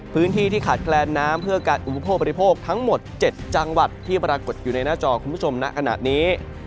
พื้นที่ที่ขาดแคลนน้ำเพื่อการอุปโภคบริโภคทั้งหมด๗จังหวัดที่ปรากฏอยู่ในหน้าจอคุณผู้ชมณขณะนี้